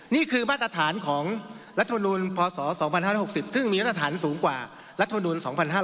นี่คือมาตรฐานของรัฐมนูลพศ๒๕๖๐ซึ่งมีมาตรฐานสูงกว่ารัฐมนูล๒๕๕๙